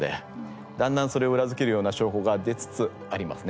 だんだんそれを裏付けるような証拠が出つつありますね。